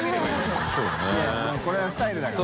もうこれはスタイルだから。